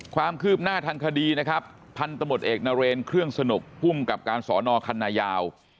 ความคืบหน้าทางคดีนะครับพันธมตเอกนเรนเครื่องสนุกภูมิกับการสอนอคันนายาว